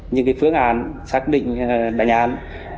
những phương án xác định đánh án